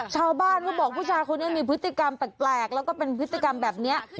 เขาบอกผู้ชายคนนี้มีพฤติกรรมแปลกแล้วก็เป็นพฤติกรรมแบบนี้